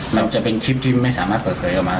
มันจะเป็นคลิปที่ไม่สามารถเปิดเผยออกมา